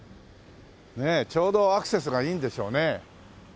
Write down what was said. ねえちょうどアクセスがいいんでしょうね。